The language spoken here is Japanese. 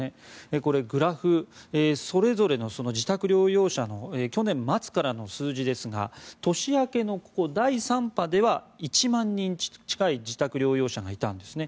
これ、グラフそれぞれの自宅療養者の去年末からの数字ですが年明けの第３波では１万人近い自宅療養者がいたんですね。